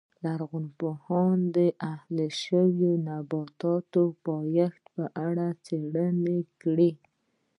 لرغونپوهانو د اهلي شویو نباتاتو پیدایښت په اړه څېړنې کړې